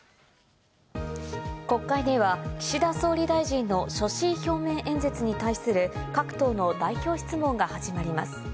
国会では、岸田総理大臣の所信表明演説に対する各党の代表質問が始まります。